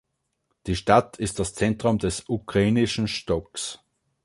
Die Stadt ist das Zentrum des ukrainischen Stocks.